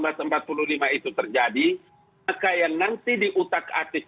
maka yang nanti diutak atis itu adalah pernyataan yang tidak terjadi